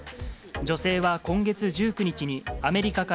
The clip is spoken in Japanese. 女性は今月１９日に、アメリカか